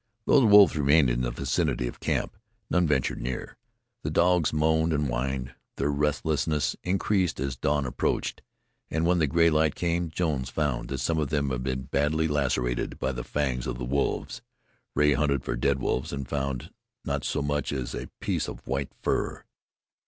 Though the wolves remained in the vicinity of camp, none ventured near. The dogs moaned and whined; their restlessness increased as dawn approached, and when the gray light came, Jones founds that some of them had been badly lacerated by the fangs of the wolves. Rea hunted for dead wolves and found not so much as a piece of white fur.